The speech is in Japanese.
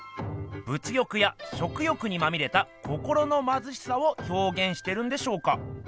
物欲や食欲にまみれた心のまずしさをひょうげんしてるんでしょうか？